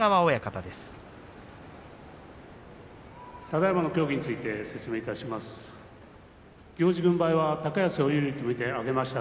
ただいまの協議について説明します。